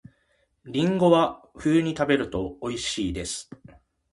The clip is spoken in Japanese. りんごは冬に食べると美味しいです